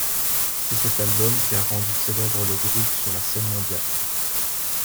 C'est cet album qui a rendu célèbre le groupe sur la scène mondiale.